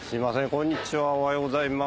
こんにちはおはようございます。